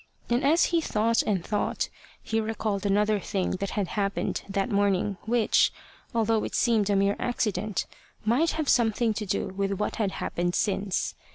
And as he thought and thought, he recalled another thing that had happened that morning, which, although it seemed a mere accident, might have something to do with what had happened since.